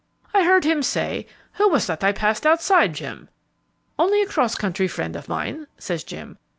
"I heard him say, 'Who was that I passed outside, Jim?' 'Only a cross country friend of mine,' says Jim.